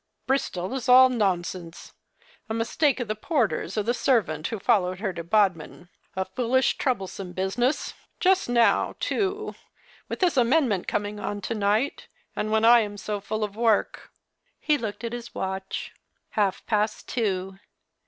Bristol is all nonsense — a mistake of the porters or of the servant who followed her to Bodmin. A foolish, trouble some business — just now, too, with this amendment coming on to night, and when I am so full of work." He looked at his watch. Half past two.